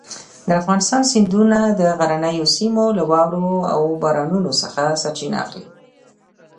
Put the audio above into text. د افغانستان سیندونه د غرنیو سیمو له واورو او بارانونو څخه سرچینه اخلي.